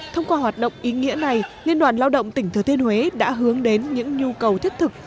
thông qua hoạt động ý nghĩa này liên đoàn lao động tỉnh thừa thiên huế đã hướng đến những nhu cầu thiết thực